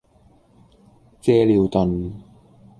借尿遁